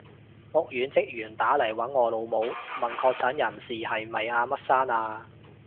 屋苑職員打嚟搵我老母，問確診人士係咪阿乜生啊？